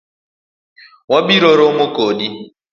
Wabiro romo kodi.